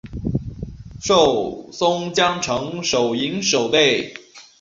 授松江城守营守备。